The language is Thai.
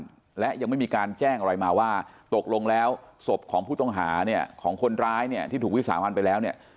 และยังไม่มีการแจ้งอะไรมาว่าตกลงแล้วศพของผู้ต้องหาเนี่ยของคนร้ายเนี่ยที่ถูกวิสามันไปแล้วเนี่ย